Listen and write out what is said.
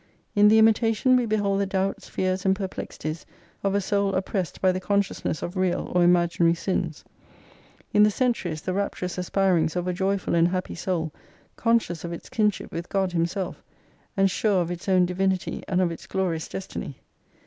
In the " Imitation " we behold the doubts, fears, and perplexities of a soul oppressed by the consciousness of real or imaginary sins : in the " Centuries " the rap turous aspirings of a joyful and happy soul, conscious jf its kinship with God Himself, and sure of its own divinity and of its glorious destiny.